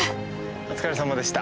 お疲れさまでした。